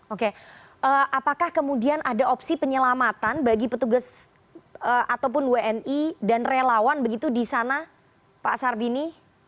oke apakah kemudian ada opsi penyelamatan bagi petugas ataupun wni dan relawan begitu di sana pak sarbini